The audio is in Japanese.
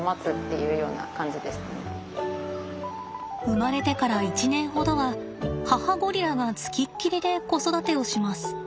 生まれてから１年ほどは母ゴリラが付きっきりで子育てをします。